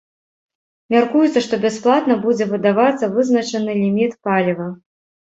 Мяркуецца, што бясплатна будзе выдавацца вызначаны ліміт паліва.